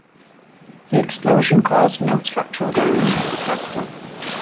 The explosion caused no structural damage to the Capitol.